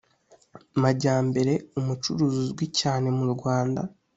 majyambere, umucuruzi uzwi cyane mu rwanda